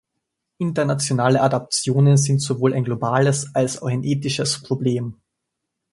Internationale Adoptionen sind sowohl ein globales als auch ein ethisches Problem.